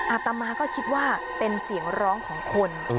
อาตมาก็คิดว่าเป็นเสียงร้องของคน